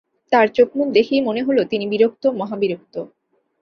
তাঁর চোখমুখ দেখেই মনে হল, তিনি বিরক্ত, মহাবিরক্ত।